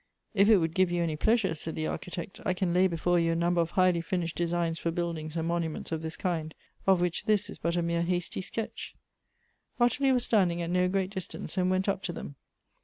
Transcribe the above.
"If it would give you any pleasure," said the Archi tect, " I can lay before you a number of highly finished designs for buildings and monuments of this kind, of which this is but a mere hasty sketch." Ottilie was standing at no great distance, and went up to them.